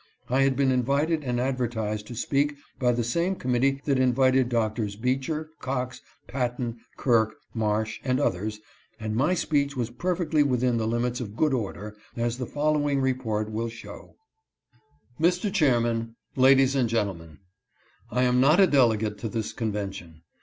I had been invited and advertised to speak by the same committee that invited 308 author's address. Doctors Beecher, Cox, Patton, Kirk, Marsh, and others, and my speech was perfectly within the limits of good order, as the following report will show :" Mr. Chairman — Ladies and Gentlemen :'' I am not a delegate to this convention.